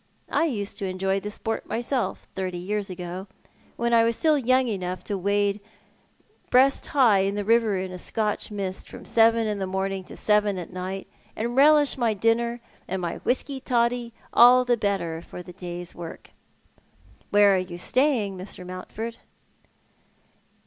I used to enjoy the sport myself thirty years ago, when I was still young enough to wade breast From the Far off Land. 55 high in the river in a Scotch mist from seven in the morning to seven at night, and relish my dinner and my whisky toddy all the better for the day's work. Where are you staying, Mr. Mountford?"